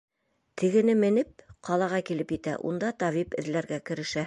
Тегене менеп, ҡалаға килеп етә, унда табип эҙләргә керешә.